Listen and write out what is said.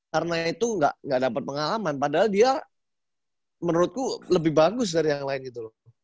karena itu nggak dapat pengalaman padahal dia menurutku lebih bagus dari yang lain gitu loh